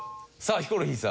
ヒコロヒーさん。